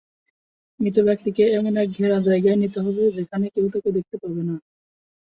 মৃত ব্যক্তিকে এমন এক ঘেরা জায়গায় নিতে হবে, যেখানে কেউ তাকে দেখতে পাবে না।